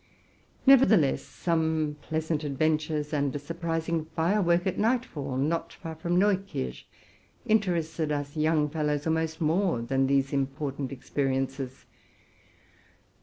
Nevertheless, some pleasant adventures, and a surprising firework at nightfall, not far from Neukirch, interested us young fellows almost more than these important experiences.